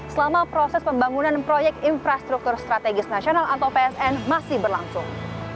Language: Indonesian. selama proses pembangunan proyek infrastruktur strategis nasional atau psn masih berlangsung